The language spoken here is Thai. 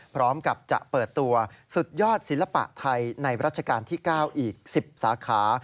พร้อมกับจะเปิดตัวสุดยอดศิลปะไทยในรัชกาลที่๙อีก๑๐สาขา